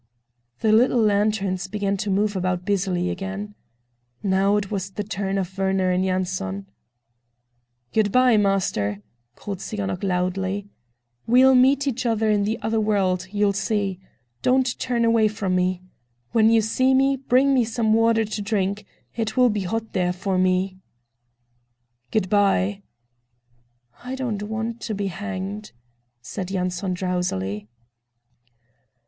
The little lanterns began to move about busily again. Now it was the turn of Werner and Yanson. "Good by, master!" called Tsiganok loudly. "We'll meet each other in the other world, you'll see! Don't turn away from me. When you see me, bring me some water to drink—it will be hot there for me!" "Good by!" "I don't want to be hanged!" said Yanson drowsily.